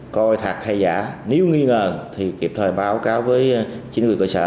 coi thạc hay giả nếu nghi ngờ thì kịp thời báo cáo với chính quyền cơ sở